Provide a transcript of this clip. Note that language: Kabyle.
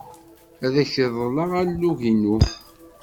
Ad ak-reḍleɣ alug-inu.